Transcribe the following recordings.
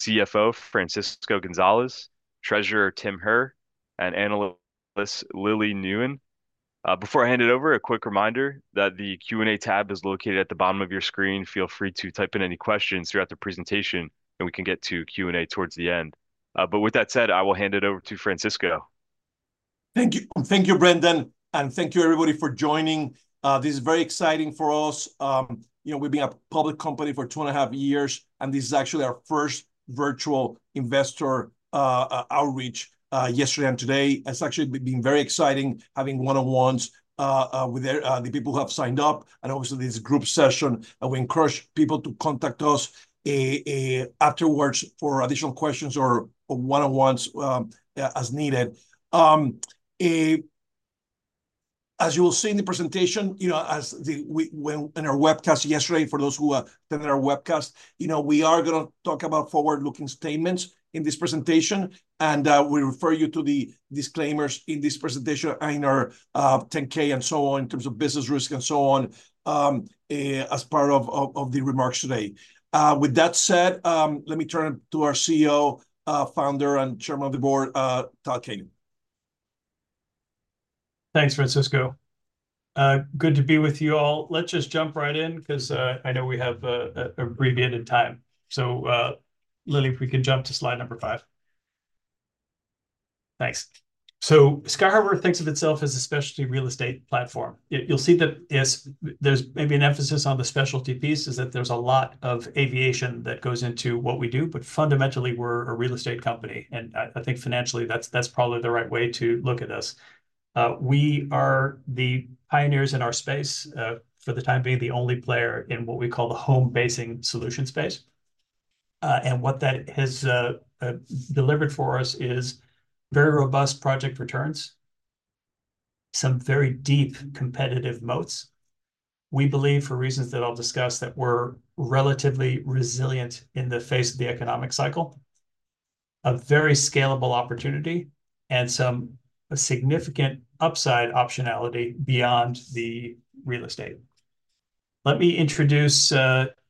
CFO Francisco Gonzalez, Treasurer Tim Herr, and Analyst Lily Nguyen. Before I hand it over, a quick reminder that the Q&A tab is located at the bottom of your screen. Feel free to type in any questions throughout the presentation, and we can get to Q&A towards the end. But with that said, I will hand it over to Francisco. Thank you. Thank you, Brendan, and thank you everybody for joining. This is very exciting for us. You know, we've been a public company for 2.5 years, and this is actually our first Virtual Investor Outreach yesterday and today. It's actually been very exciting having one-on-ones with the people who have signed up and obviously this group session. We encourage people to contact us afterwards for additional questions or one-on-ones as needed. As you will see in the presentation, you know, in our webcast yesterday, for those who attended our webcast, you know, we are gonna talk about forward-looking statements in this presentation, and we refer you to the disclaimers in this presentation and our Form 10-K and so on, in terms of business risk and so on, as part of the remarks today. With that said, let me turn it to our CEO, Founder, and Chairman of the Board, Tal Keinan. Thanks, Francisco. Good to be with you all. Let's just jump right in, 'cause I know we have abbreviated time. So, Lily, if we could jump to slide number five. Thanks. So Sky Harbour thinks of itself as a specialty real estate platform. You'll see that, yes, there's maybe an emphasis on the specialty piece, is that there's a lot of aviation that goes into what we do, but fundamentally, we're a real estate company, and I think financially, that's probably the right way to look at this. We are the pioneers in our space. For the time being, the only player in what we call the Home Basing Solution space. And what that has delivered for us is very robust project returns, some very deep competitive moats. We believe, for reasons that I'll discuss, that we're relatively resilient in the face of the economic cycle, a very scalable opportunity, and some significant upside optionality beyond the real estate. Let me introduce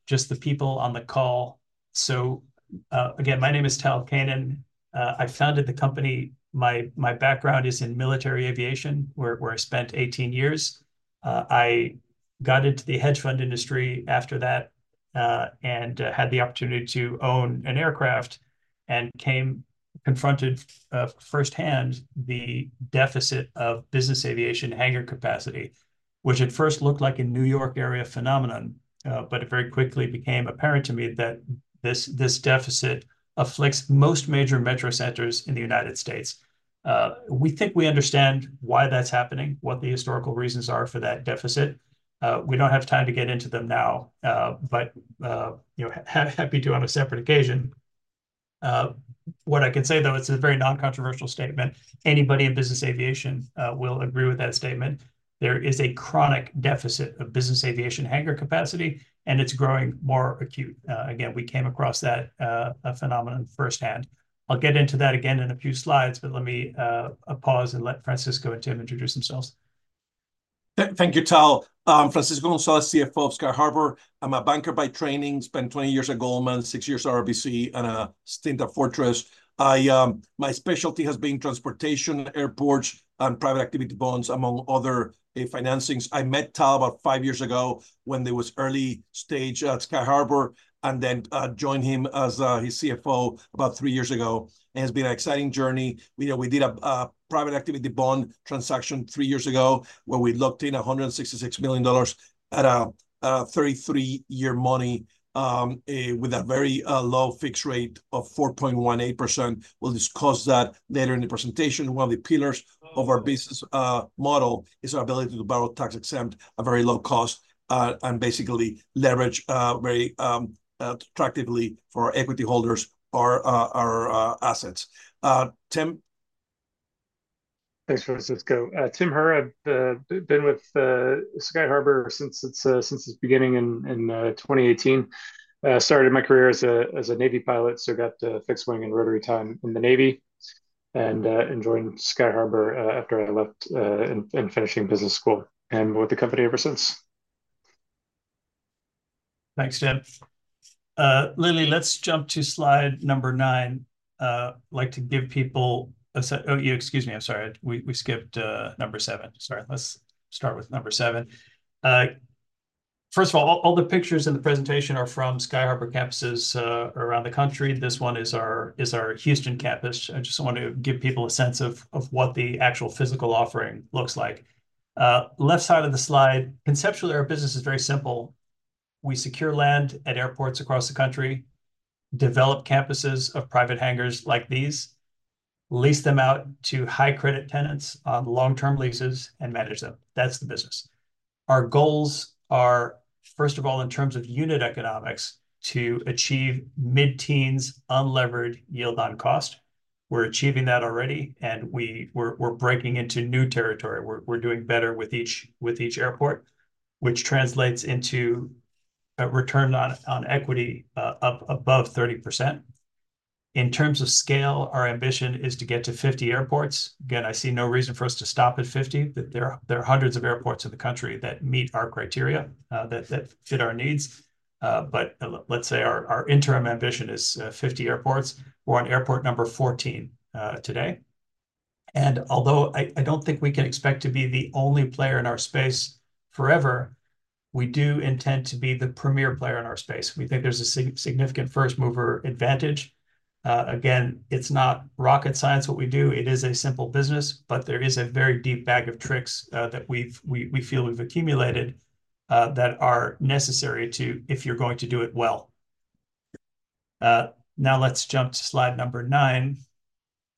just the people on the call. So, again, my name is Tal Keinan. I founded the company. My background is in military aviation, where I spent 18 years. I got into the hedge fund industry after that, and had the opportunity to own an aircraft and came confronted firsthand the deficit of business aviation hangar capacity, which at first looked like a New York area phenomenon. But it very quickly became apparent to me that this deficit afflicts most major metro centers in the United States. We think we understand why that's happening, what the historical reasons are for that deficit. We don't have time to get into them now, but you know, happy to on a separate occasion. What I can say, though, it's a very non-controversial statement. Anybody in business aviation will agree with that statement, there is a chronic deficit of business aviation hangar capacity, and it's growing more acute. Again, we came across that phenomenon firsthand. I'll get into that again in a few slides, but let me pause and let Francisco and Tim introduce themselves. Thank you, Tal. I'm Francisco Gonzalez, CFO of Sky Harbour. I'm a banker by training, spent 20 years at Goldman, 6 years at RBC, and a stint at Fortress. My specialty has been transportation, airports, and private activity bonds, among other financings. I met Tal about 5 years ago when there was early stage at Sky Harbour, and then joined him as his CFO about 3 years ago, and it's been an exciting journey. We did a private activity bond transaction 3 years ago, where we locked in $166 million at a 33-year money with a very low fixed rate of 4.18%. We'll discuss that later in the presentation. One of the pillars of our business model is our ability to borrow tax-exempt at a very low cost, and basically leverage very attractively for our equity holders, our assets. Tim? Thanks, Francisco. Tim Herr. I've been with Sky Harbour since its beginning in 2018. Started my career as a Navy pilot, so got fixed wing and rotary time in the Navy and joined Sky Harbour after I left and finishing business school, and with the company ever since. Thanks, Tim. Lily, let's jump to slide number nine. I'd like to give people a sec... Oh, excuse me. I'm sorry. We skipped number seven. Sorry. Let's start with number seven. First of all, all the pictures in the presentation are from Sky Harbour campuses around the country. This one is our Houston campus. I just want to give people a sense of what the actual physical offering looks like. Left side of the slide, conceptually, our business is very simple. We secure land at airports across the country, develop campuses of private hangars like these, lease them out to high-credit tenants on long-term leases, and manage them. That's the business. Our goals are, first of all, in terms of unit economics, to achieve mid-teens unlevered yield on cost. We're achieving that already, and we're breaking into new territory. We're doing better with each airport, which translates into a return on equity up above 30%. In terms of scale, our ambition is to get to 50 airports. Again, I see no reason for us to stop at 50. There are hundreds of airports in the country that meet our criteria that fit our needs. But let's say our interim ambition is 50 airports. We're on airport number 14 today, and although I don't think we can expect to be the only player in our space forever, we do intend to be the premier player in our space. We think there's a significant first mover advantage. Again, it's not rocket science, what we do, it is a simple business, but there is a very deep bag of tricks that we've, we, we feel we've accumulated that are necessary to - if you're going to do it well. Now let's jump to slide number nine,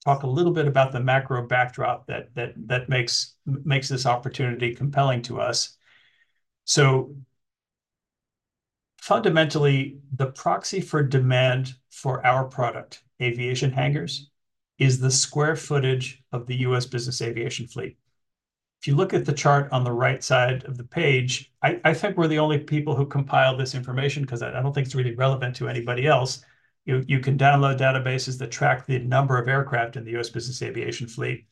talk a little bit about the macro backdrop that makes this opportunity compelling to us. So fundamentally, the proxy for demand for our product, aviation hangars, is the square footage of the U.S. business aviation fleet. If you look at the chart on the right side of the page, I think we're the only people who compiled this information, 'cause I don't think it's really relevant to anybody else. You can download databases that track the number of aircraft in the U.S. business aviation fleet,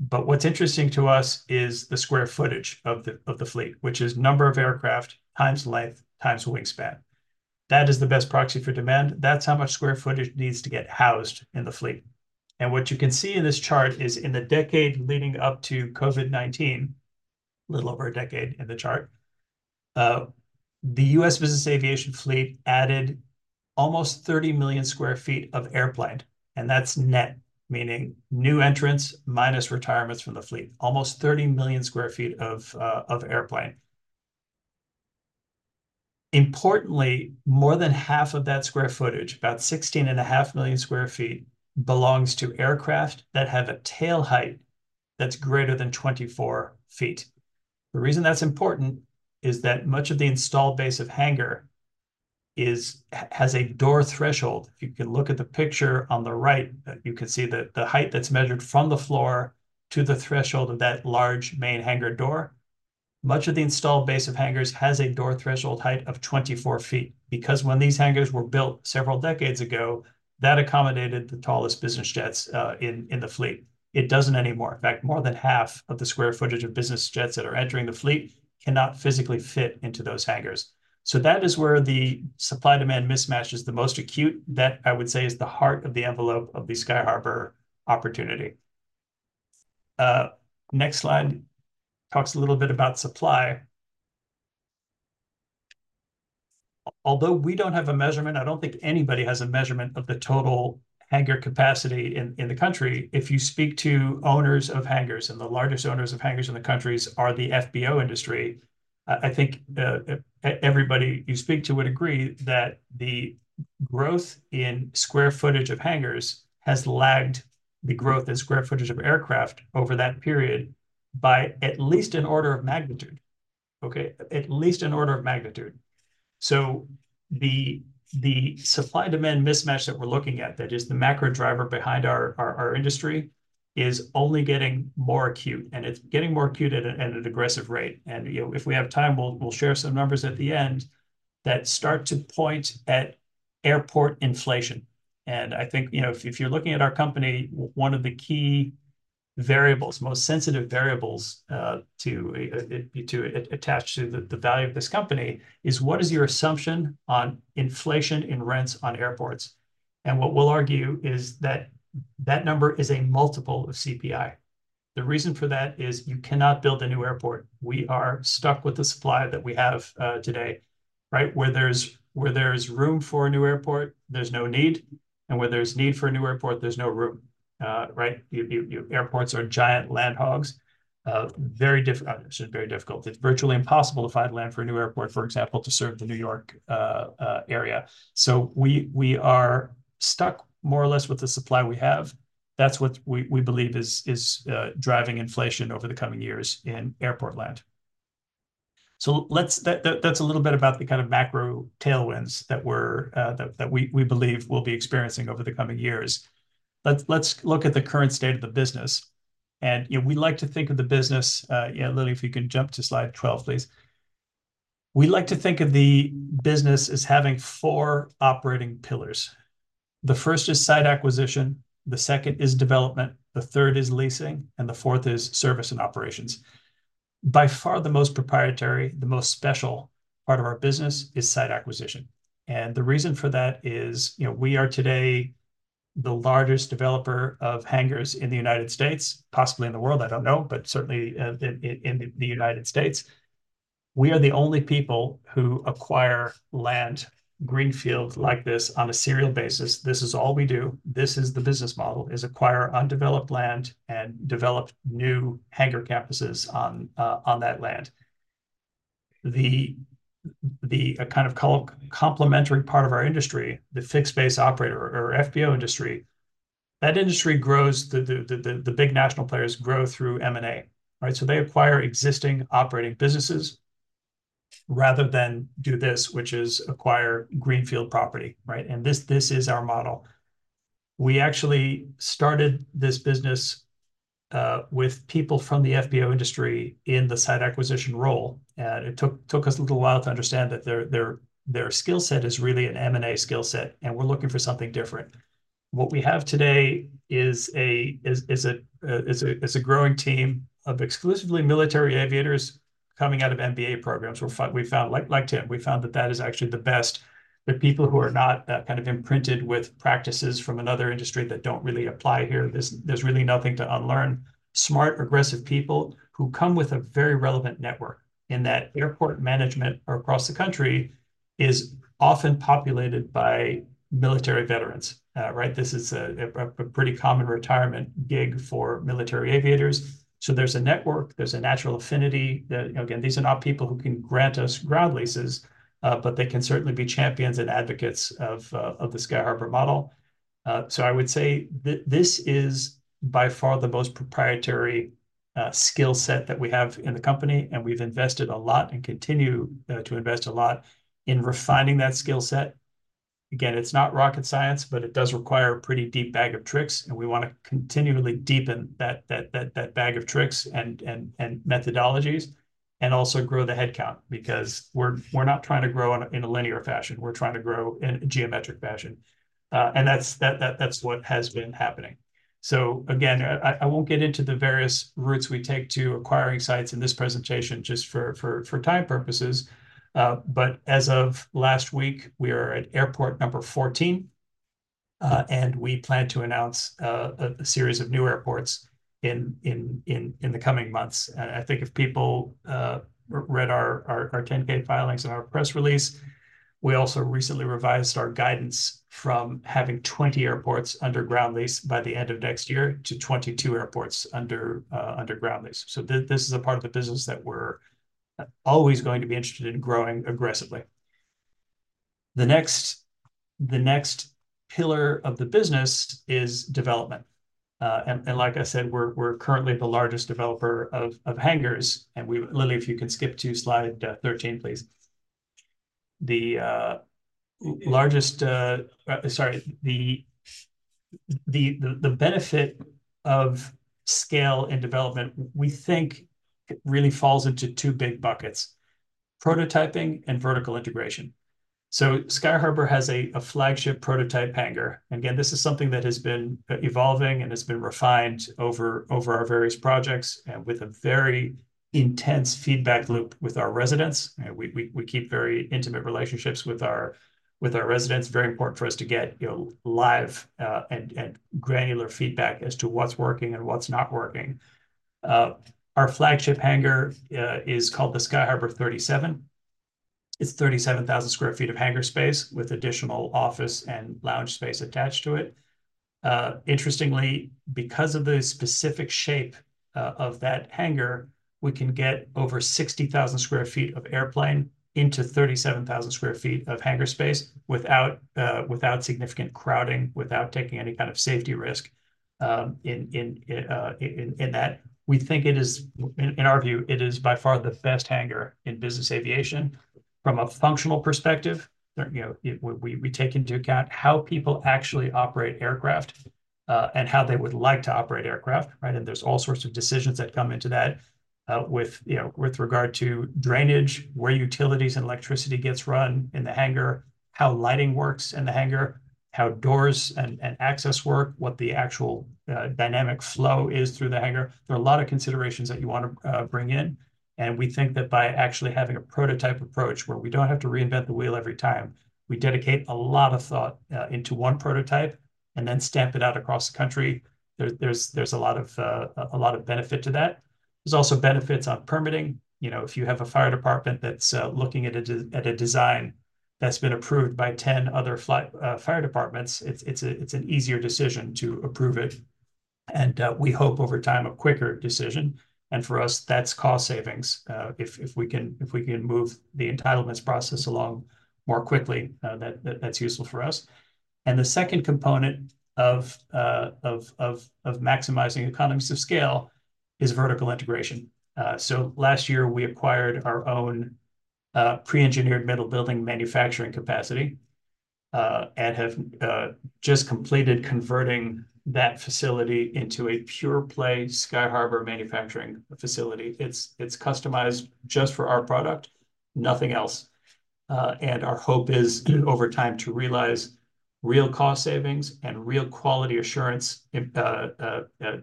but what's interesting to us is the square footage of the fleet, which is number of aircraft, times length, times wingspan. That is the best proxy for demand. That's how much square footage needs to get housed in the fleet. What you can see in this chart is in the decade leading up to COVID-19, a little over a decade in the chart, the U.S. business aviation fleet added almost 30 million sq ft of airplane, and that's net, meaning new entrants minus retirements from the fleet. Almost 30 million sq ft of airplane. Importantly, more than half of that square footage, about 16.5 million sq ft, belongs to aircraft that have a tail height that's greater than 24 feet. The reason that's important is that much of the installed base of hangar has a door threshold. If you can look at the picture on the right, you can see the height that's measured from the floor to the threshold of that large main hangar door. Much of the installed base of hangars has a door threshold height of 24 ft, because when these hangars were built several decades ago, that accommodated the tallest business jets in the fleet. It doesn't anymore. In fact, more than half of the square footage of business jets that are entering the fleet cannot physically fit into those hangars. So that is where the supply-demand mismatch is the most acute. That, I would say, is the heart of the envelope of the Sky Harbour opportunity. Next slide talks a little bit about supply. Although we don't have a measurement, I don't think anybody has a measurement of the total hangar capacity in, in the country. If you speak to owners of hangars, and the largest owners of hangars in the countries are the FBO industry, I think everybody you speak to would agree that the growth in square footage of hangars has lagged the growth in square footage of aircraft over that period by at least an order of magnitude, okay? At least an order of magnitude. So the supply-demand mismatch that we're looking at, that is the macro driver behind our industry, is only getting more acute, and it's getting more acute at an aggressive rate. And, you know, if we have time, we'll share some numbers at the end that start to point at airport inflation. I think, you know, if you're looking at our company, one of the key variables, most sensitive variables, to attached to the value of this company, is: What is your assumption on inflation in rents on airports? What we'll argue is that that number is a multiple of CPI. The reason for that is you cannot build a new airport. We are stuck with the supply that we have today, right? Where there's room for a new airport, there's no need, and where there's need for a new airport, there's no room, right? Airports are giant land hogs. It's very difficult. It's virtually impossible to find land for a new airport, for example, to serve the New York area. So we are stuck more or less with the supply we have. That's what we believe is driving inflation over the coming years in airport land. So that's a little bit about the kind of macro tailwinds that we believe we'll be experiencing over the coming years. Let's look at the current state of the business. And you know, we like to think of the business... yeah, Lily, if you could jump to slide 12, please. We like to think of the business as having four operating pillars. The first is site acquisition, the second is development, the third is leasing, and the fourth is service and operations. By far, the most proprietary, the most special part of our business is site acquisition, and the reason for that is, you know, we are today the largest developer of hangars in the United States, possibly in the world, I don't know, but certainly in the United States. We are the only people who acquire land, greenfield like this, on a serial basis. This is all we do. This is the business model, is acquire undeveloped land and develop new hangar campuses on that land. The kind of complementary part of our industry, the fixed base operator, or FBO industry, that industry grows. The big national players grow through M&A, right? So they acquire existing operating businesses rather than do this, which is acquire greenfield property, right? And this is our model. We actually started this business with people from the FBO industry in the site acquisition role, and it took us a little while to understand that their skill set is really an M&A skill set, and we're looking for something different. What we have today is a growing team of exclusively military aviators coming out of MBA programs. We found, like Tim, that that is actually the best. The people who are not kind of imprinted with practices from another industry that don't really apply here, there's really nothing to unlearn. Smart, aggressive people who come with a very relevant network, in that airport management across the country is often populated by military veterans. Right? This is a pretty common retirement gig for military aviators. So there's a network, there's a natural affinity that, again, these are not people who can grant us ground leases, but they can certainly be champions and advocates of the Sky Harbour model. So I would say this is by far the most proprietary skill set that we have in the company, and we've invested a lot and continue to invest a lot in refining that skill set. Again, it's not rocket science, but it does require a pretty deep bag of tricks, and we want to continually deepen that bag of tricks and methodologies, and also grow the headcount because we're not trying to grow in a linear fashion. We're trying to grow in a geometric fashion. And that's what has been happening. So again, I won't get into the various routes we take to acquiring sites in this presentation just for time purposes. But as of last week, we are at airport number 14, and we plan to announce a series of new airports in the coming months. And I think if people read our Form 10-K filings and our press release, we also recently revised our guidance from having 20 airports under ground lease by the end of next year to 22 airports under ground lease. So this is a part of the business that we're always going to be interested in growing aggressively. The next pillar of the business is development. Like I said, we're currently the largest developer of hangars, and we—Lily, if you could skip to slide 13, please. The benefit of scale and development, we think it really falls into two big buckets: prototyping and vertical integration. So Sky Harbour has a flagship prototype hangar. Again, this is something that has been evolving and has been refined over our various projects, and with a very intense feedback loop with our residents. We keep very intimate relationships with our residents. Very important for us to get, you know, live and granular feedback as to what's working and what's not working. Our flagship hangar is called the Sky Harbour 37. It's 37,000 sq ft of hangar space with additional office and lounge space attached to it. Interestingly, because of the specific shape of that hangar, we can get over 60,000 sq ft of airplane into 37,000 sq ft of hangar space without without significant crowding, without taking any kind of safety risk in that. We think it is in our view, it is by far the best hangar in business aviation from a functional perspective. You know, we take into account how people actually operate aircraft and how they would like to operate aircraft, right? There's all sorts of decisions that come into that with you know with regard to drainage, where utilities and electricity gets run in the hangar, how lighting works in the hangar, how doors and access work, what the actual dynamic flow is through the hangar. There are a lot of considerations that you want to bring in, and we think that by actually having a prototype approach, where we don't have to reinvent the wheel every time, we dedicate a lot of thought into one prototype and then stamp it out across the country. There's a lot of benefit to that. There's also benefits on permitting. You know, if you have a fire department that's looking at a design that's been approved by 10 other fire departments, it's an easier decision to approve it, and we hope over time, a quicker decision. And for us, that's cost savings. If we can move the entitlements process along more quickly, that's useful for us. And the second component of maximizing economies of scale is vertical integration. So last year, we acquired our own pre-engineered metal building manufacturing capacity, and have just completed converting that facility into a pure play Sky Harbour manufacturing facility. It's customized just for our product, nothing else. and our hope is, over time, to realize real cost savings and real quality assurance,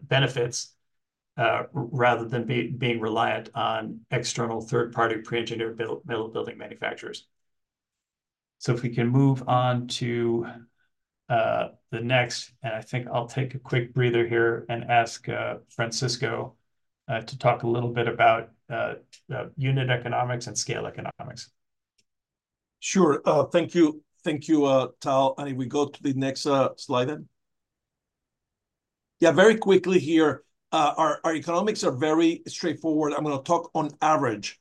benefits, rather than being reliant on external third-party pre-engineered building manufacturers. So if we can move on to the next, and I think I'll take a quick breather here and ask Francisco to talk a little bit about unit economics and scale economics. Sure. Thank you. Thank you, Tal. And if we go to the next slide, then. Yeah, very quickly here, our economics are very straightforward. I'm gonna talk on average,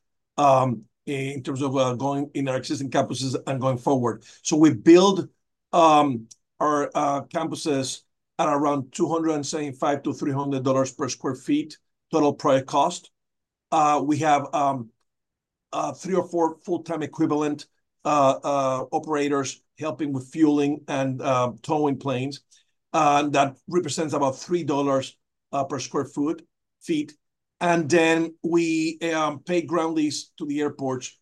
in terms of going in our existing campuses and going forward. So we build our campuses at around $275-$300 per sq ft, total project cost. We have 3 or 4 full-time equivalent operators helping with fueling and towing planes. That represents about $3 per sq ft. And then we pay ground lease to the airports,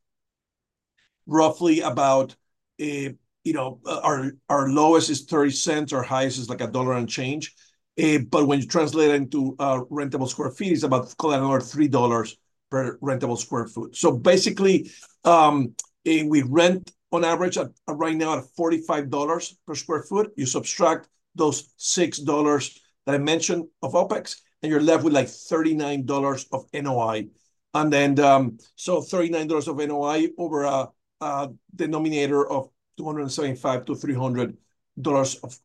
roughly about, you know, our lowest is $0.30, our highest is, like, $1 and change. But when you translate it into rentable square feet, it's about call it another $3 per rentable sq ft. So basically, and we rent on average at right now at $45 per sq ft. You subtract those $6 that I mentioned of OpEx, and you're left with, like, $39 of NOI. And then, so $39 of NOI over a denominator of $275-$300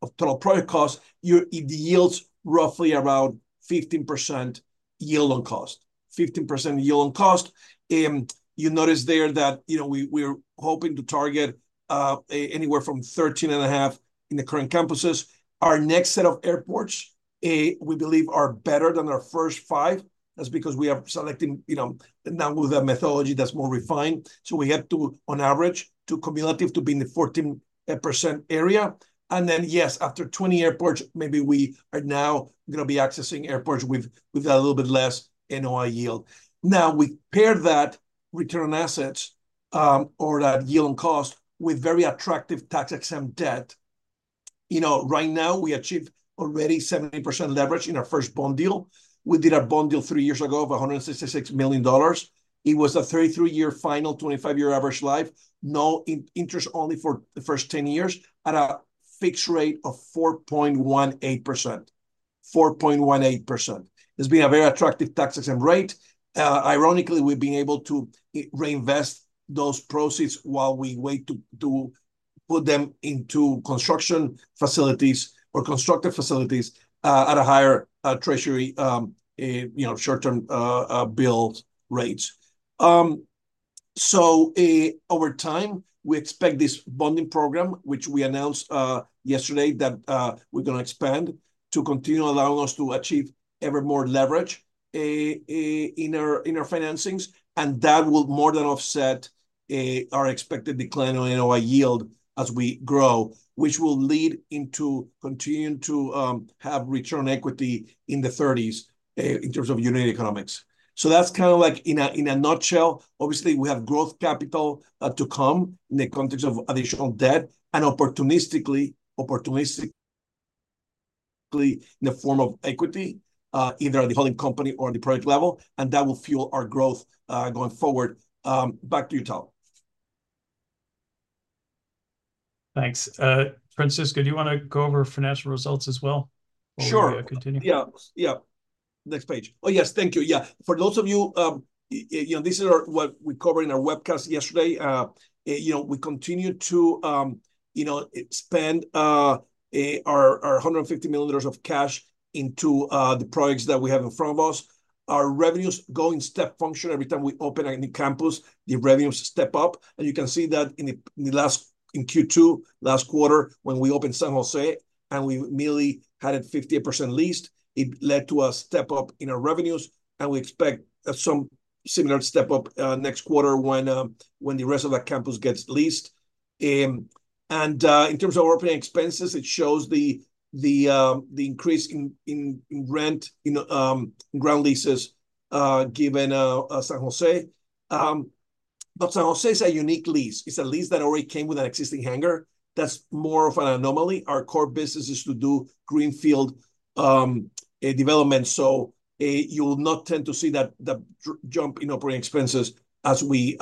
of total project cost, you're. It yields roughly around 15% yield on cost. 15% yield on cost, you notice there that, you know, we, we're hoping to target a anywhere from 13.5% in the current campuses. Our next set of airports, we believe are better than our first five. That's because we are selecting, you know, now with a methodology that's more refined, so we had to, on average, to cumulative to be in the 14% area. And then, yes, after 20 airports, maybe we are now gonna be accessing airports with a little bit less NOI yield. Now, we pair that return on assets, or that yield on cost with very attractive tax-exempt debt. You know, right now, we achieved already 70% leverage in our first bond deal. We did a bond deal three years ago of $166 million. It was a 33-year final, 25-year average life. Interest-only for the first 10 years, at a fixed rate of 4.18%, 4.18%. It's been a very attractive tax-exempt rate. Ironically, we've been able to reinvest those proceeds while we wait to put them into construction facilities or constructive facilities at a higher Treasury, you know, short-term bill rates. So over time, we expect this bonding program, which we announced yesterday, that we're gonna expand to continue allowing us to achieve ever more leverage in our financings, and that will more than offset our expected decline on NOI yield as we grow, which will lead into continuing to have return on equity in the thirties in terms of unit economics. So that's kind of like in a nutshell. Obviously, we have growth capital to come in the context of additional debt and opportunistically, opportunistically in the form of equity, either at the holding company or the project level, and that will fuel our growth going forward. Back to you, Tal. Thanks. Francisco, do you wanna go over financial results as well? Sure. Before we continue? Yeah, yeah. Next page. Oh, yes, thank you. Yeah, for those of you, you know, this is our what we covered in our webcast yesterday. You know, we continue to, you know, expand our $150 million of cash into the projects that we have in front of us. Our revenues go in step function. Every time we open a new campus, the revenues step up, and you can see that in Q2, last quarter, when we opened San Jose, and we immediately had it 58% leased, it led to a step-up in our revenues, and we expect some similar step-up next quarter when the rest of that campus gets leased. And, in terms of operating expenses, it shows the increase in rent, in ground leases, given San Jose. But San Jose is a unique lease. It's a lease that already came with an existing hangar. That's more of an anomaly. Our core business is to do Greenfield development, so, you'll not tend to see that, the jump in operating expenses as we,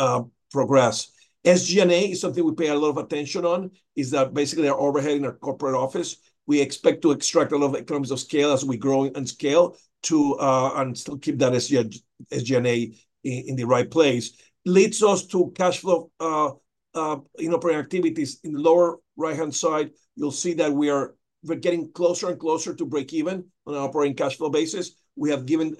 progress. SG&A is something we pay a lot of attention on, is that basically our overhead in our corporate office. We expect to extract a lot of economies of scale as we grow and scale to, and still keep that SG&A in, the right place. Leads us to cash flow in operating activities. In the lower right-hand side, you'll see that we are... We're getting closer and closer to break even on an operating cash flow basis. We have given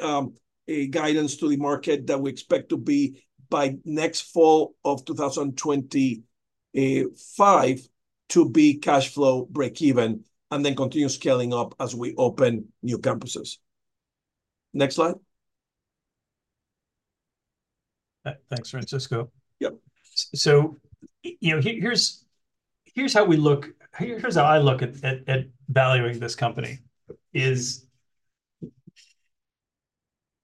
a guidance to the market that we expect to be by next fall of 2025 to be cash flow break even, and then continue scaling up as we open new campuses. Next slide. Thanks, Francisco. Yep. So, you know, here's how we look. Here's how I look at valuing this company.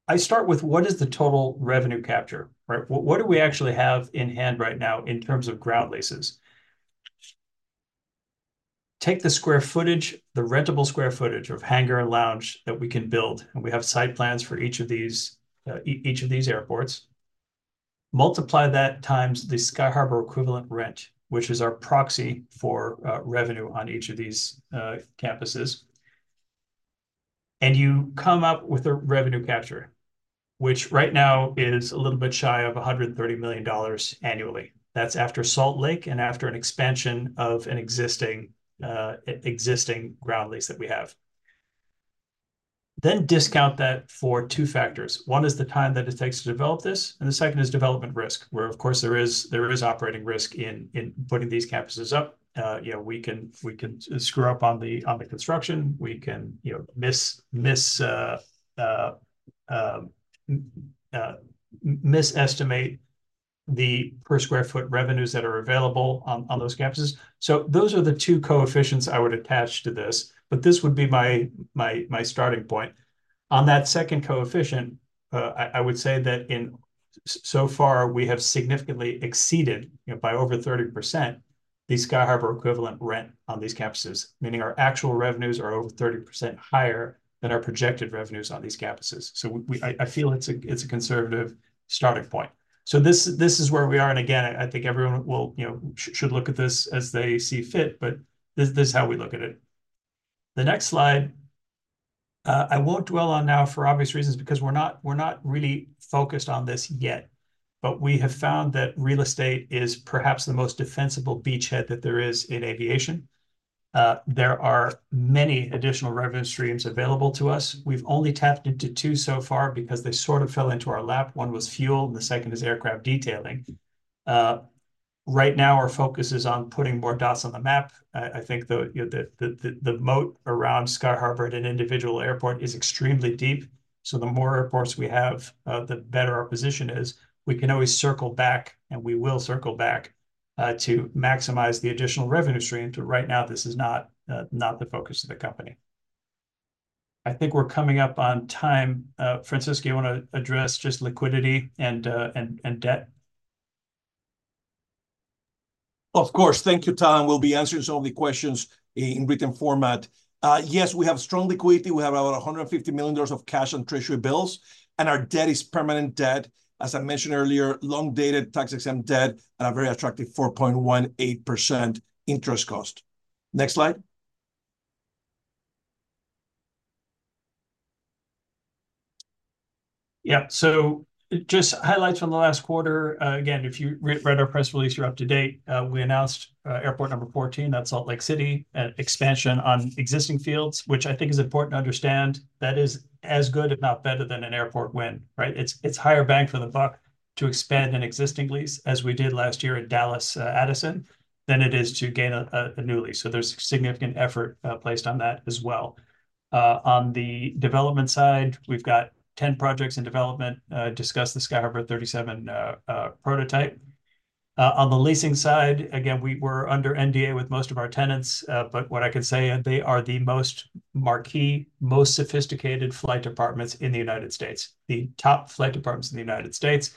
I start with, what is the total revenue capture, right? What do we actually have in hand right now in terms of ground leases? Take the square footage, the rentable square footage of hangar and lounge that we can build, and we have site plans for each of these, each of these airports. Multiply that times the Sky Harbour equivalent rent, which is our proxy for revenue on each of these campuses, and you come up with a revenue capture, which right now is a little bit shy of $130 million annually. That's after Salt Lake and after an expansion of an existing, existing ground lease that we have. Then discount that for two factors. One is the time that it takes to develop this, and the second is development risk, where, of course, there is operating risk in putting these campuses up. You know, we can screw up on the construction. We can, you know, mis-estimate the per square foot revenues that are available on those campuses. So those are the two coefficients I would attach to this, but this would be my starting point. On that second coefficient, I would say that so far we have significantly exceeded, you know, by over 30% the Sky Harbour equivalent rent on these campuses, meaning our actual revenues are over 30% higher than our projected revenues on these campuses. So we-I feel it's a conservative starting point. So this, this is where we are, and again, I, I think everyone will, you know, should look at this as they see fit, but this, this is how we look at it. The next slide, I won't dwell on now for obvious reasons, because we're not really focused on this yet, but we have found that real estate is perhaps the most defensible beachhead that there is in aviation. There are many additional revenue streams available to us. We've only tapped into two so far because they sort of fell into our lap. One was fuel, and the second is aircraft detailing. Right now, our focus is on putting more dots on the map. I think you know, the moat around Sky Harbour at an individual airport is extremely deep, so the more airports we have, the better our position is. We can always circle back, and we will circle back to maximize the additional revenue stream, but right now, this is not the focus of the company. I think we're coming up on time. Francisco, you wanna address just liquidity and debt? Of course. Thank you, Tal. We'll be answering some of the questions in written format. Yes, we have strong liquidity. We have about $150 million of cash on Treasury bills, and our debt is permanent debt. As I mentioned earlier, long-dated tax-exempt debt at a very attractive 4.18% interest cost. Next slide. Yeah, so just highlights from the last quarter. Again, if you re-read our press release, you're up to date. We announced airport number 14, that's Salt Lake City. Expansion on existing fields, which I think is important to understand, that is as good, if not better, than an airport win, right? It's higher bang for the buck to expand an existing lease, as we did last year at Dallas Addison, than it is to gain a new lease. So there's significant effort placed on that as well. On the development side, we've got 10 projects in development, discuss the Sky Harbour 37 prototype. On the leasing side, again, we were under NDA with most of our tenants, but what I can say, they are the most marquee, most sophisticated flight departments in the United States. The top flight departments in the United States.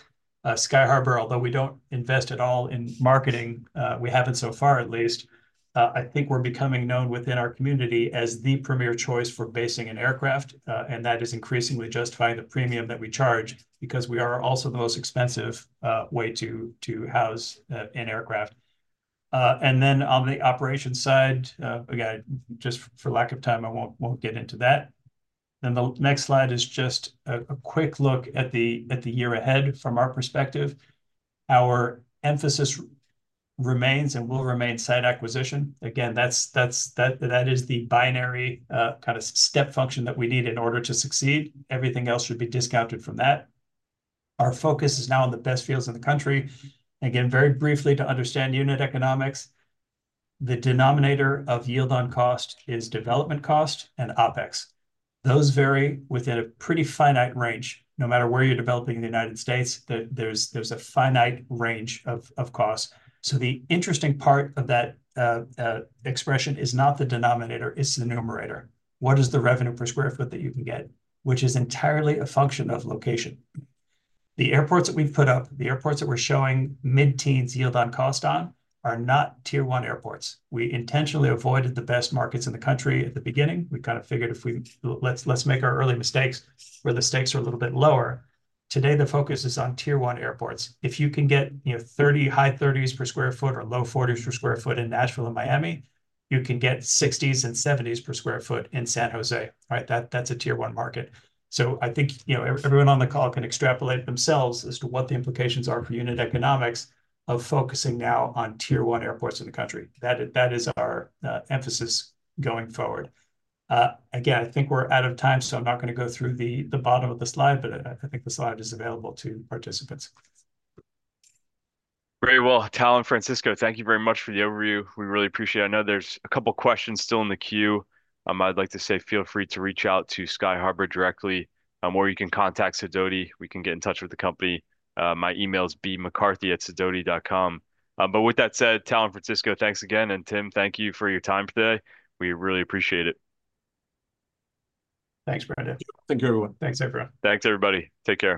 Sky Harbour, although we don't invest at all in marketing, we haven't so far at least, I think we're becoming known within our community as the premier choice for basing an aircraft. And that is increasingly justifying the premium that we charge because we are also the most expensive way to house an aircraft. And then on the operations side, again, just for lack of time, I won't get into that. Then the next slide is just a quick look at the year ahead from our perspective. Our emphasis remains and will remain site acquisition. Again, that is the binary, kind of step function that we need in order to succeed. Everything else should be discounted from that. Our focus is now on the best fields in the country. Again, very briefly, to understand unit economics, the denominator of yield on cost is development cost and OpEx. Those vary within a pretty finite range. No matter where you're developing in the United States, there's a finite range of cost. So the interesting part of that, expression is not the denominator, it's the numerator. What is the revenue per square foot that you can get? Which is entirely a function of location. The airports that we've put up, the airports that we're showing mid-teens yield on cost on, are not Tier 1 airports. We intentionally avoided the best markets in the country at the beginning. We kind of figured if we... Let's, let's make our early mistakes where the stakes are a little bit lower. Today, the focus is on tier one airports. If you can get, you know, 30, high 30s per sq ft or low 40s per sq ft in Nashville and Miami, you can get 60s and 70s per sq ft in San Jose, right? That, that's a tier one market. So I think, you know, everyone on the call can extrapolate themselves as to what the implications are for unit economics of focusing now on tier one airports in the country. That is, that is our emphasis going forward. Again, I think we're out of time, so I'm not gonna go through the bottom of the slide, but I think the slide is available to participants. Very well. Tal and Francisco, thank you very much for the overview. We really appreciate it. I know there's a couple questions still in the queue. I'd like to say, feel free to reach out to Sky Harbour directly, or you can contact Sidoti, we can get in touch with the company. My email is bmccarthy@sidoti.com. But with that said, Tal and Francisco, thanks again. And Tim, thank you for your time today. We really appreciate it. Thanks, Brendan. Thank you, everyone. Thanks, everyone. Thanks, everybody. Take care.